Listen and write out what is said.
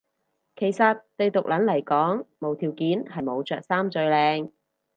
其實對毒撚嚟講無條件係冇着衫最靚